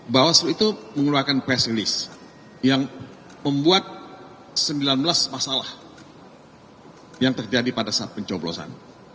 bawaslu itu mengeluarkan press release yang membuat sembilan belas masalah yang terjadi pada saat pencoblosan